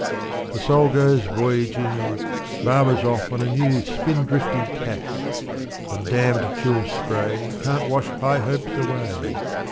The soul goes voyaging, Barbor's off on a new spindrifty tack. The damned chill spray Can't wash high hopes away.